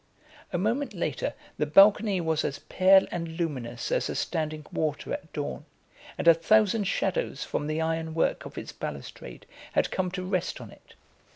A moment later the balcony was as pale and luminous as a standing water at dawn, and a thousand shadows from the iron work of its balustrade had come to rest on it.